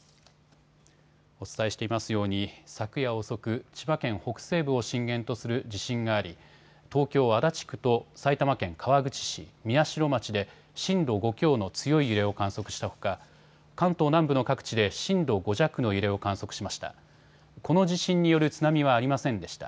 お伝えしていますように昨夜遅く、千葉県北西部を震源とする地震があり東京足立区と埼玉県川口市、宮代町で震度５強の強い揺れを観測したほか関東南部の各地で震度５弱の揺れを観測しました。